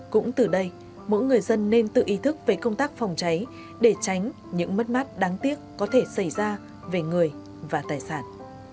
cũng từ đây mỗi người dân nên tự ý thức về công tác phòng cháy để tránh những mất mát đáng tiếc có thể xảy ra về người và tài sản